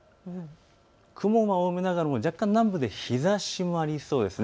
雲は多めながらも若干南部で日ざしがありそうです。